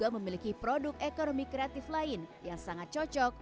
memiliki produk ekonomi kreatif lain yang sangat cocok